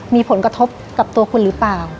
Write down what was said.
มีผลกระทบกับตัวคุณหรือเปล่า